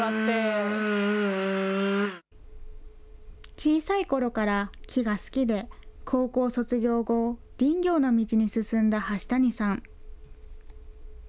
小さいころから木が好きで、高校卒業後、林業の道に進んだ橋谷さん。